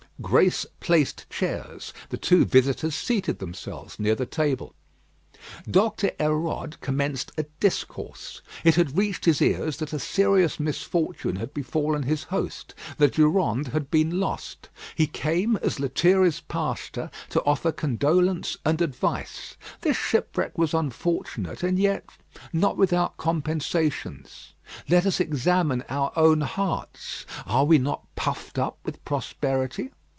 Grace placed chairs. The two visitors seated themselves near the table. Doctor Hérode commenced a discourse. It had reached his ears that a serious misfortune had befallen his host. The Durande had been lost. He came as Lethierry's pastor to offer condolence and advice. This shipwreck was unfortunate, and yet not without compensations. Let us examine our own hearts. Are we not puffed up with prosperity?